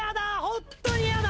ホントに嫌だ！